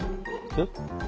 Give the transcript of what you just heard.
えっ？